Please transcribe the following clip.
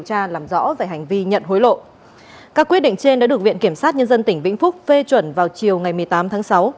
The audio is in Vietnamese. các quyết định trên đã được viện kiểm sát nhân dân tỉnh vĩnh phúc phê chuẩn vào chiều một mươi tám tháng sáu